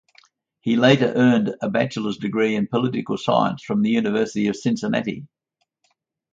He later earned a bachelor's degree in political science from the University of Cincinnati.